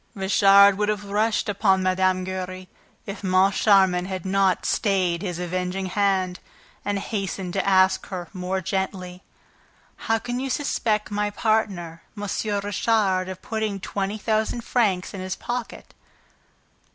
Richard would have rushed upon Mme. Giry, if Moncharmin had not stayed his avenging hand and hastened to ask her, more gently: "How can you suspect my partner, M. Richard, of putting twenty thousand francs in his pocket?"